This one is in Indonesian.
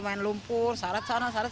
main lumpur salet salet